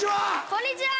こんにちは！